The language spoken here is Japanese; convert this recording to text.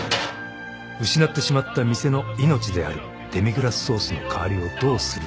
［失ってしまった店の命であるデミグラスソースの代わりをどうするか］